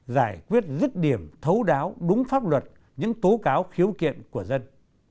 giải quyết rứt điểm thấu đáo đúng pháp luật những tố cáo khiếu kiện của dân